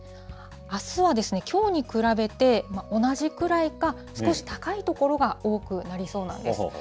あすはですね、きょうに比べて同じくらいか少し高い所が多くなりそうなんです。